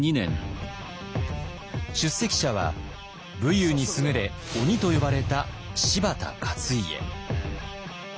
出席者は武勇に優れ鬼と呼ばれた柴田勝家。